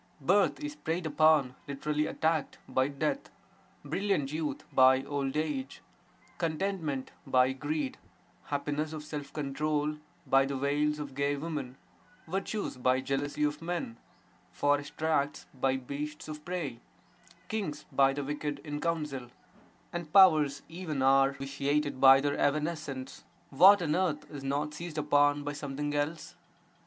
Birth is preyed upon (lit. attacked) by death; brilliant youth by old age; contentment by greed; happiness of self control by the wiles of gay women; virtues by jealousy of men; forest tracts by beasts of prey; kings by the wicked (in counsel); and powers even are vitiated by their evanescence; what on earth is not seized upon by something else?